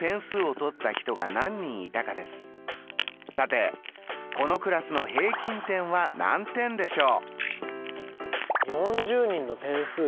さてこのクラスの平均点は何点でしょう？